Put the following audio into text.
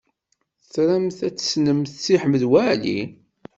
Tramt ad tessnemt Si Ḥmed Waɛli?